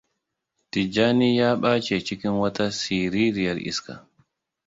Tijjani ya ɓace cikin wata siririyar iska.